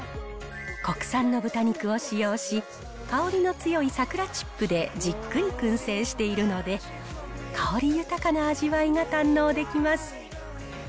国産の豚肉を使用し、香りの強い桜チップでじっくりくん製しているので、香り豊かな味わいが堪能できます。